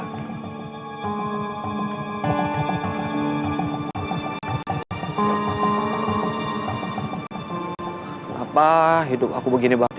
kenapa hidup aku begini banget